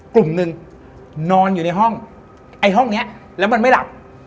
กลุ่มหนึ่งนอนอยู่ในห้องไอ้ห้องนี้แล้วมันไม่หลับ